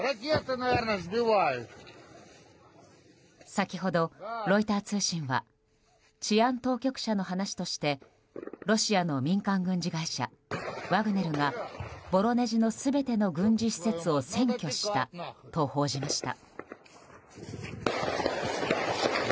先ほど、ロイター通信は治安当局者の話としてロシアの民間軍事会社ワグネルがボロネジの全ての軍事施設を占拠したと報じました。